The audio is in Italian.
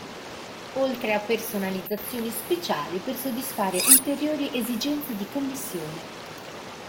Oltre a personalizzazioni speciali per soddisfare ulteriori esigenze di connessione.